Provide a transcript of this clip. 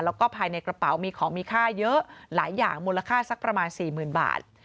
แล้วก็ภายในกระเป๋ามีของมีค่าเยอะหลายอย่างมูลค่าสักประมาณ๔๐๐๐บาท